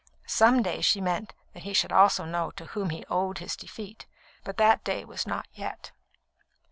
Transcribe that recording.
Some day, she meant that he should also know to whom he owed his defeat; but that day was not yet.